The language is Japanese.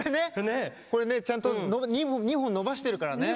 これね、ちゃんと２本伸ばしてるからね。